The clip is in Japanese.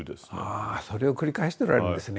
あそれを繰り返しておられるんですね。